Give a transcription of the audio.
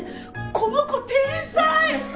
この子天才！